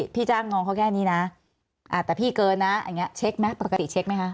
พี่จ้างงองเขาแค่นี้นะแต่พี่เกินนะปกติเช็คไหมคะ